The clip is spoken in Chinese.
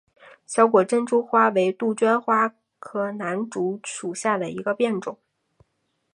小果珍珠花为杜鹃花科南烛属下的一个变种。